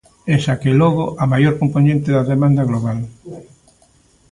E, xa que logo, a maior compoñente da demanda global.